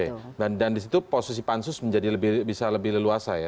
oke dan di situ posisi pansus menjadi bisa lebih leluasa ya